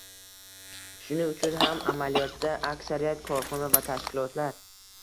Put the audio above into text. Shuning uchun ham, amaliyotda aksariyat korxona va tashkilotlar